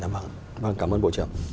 vâng cảm ơn bộ trưởng